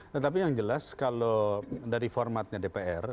tetapi yang jelas kalau dari formatnya dpr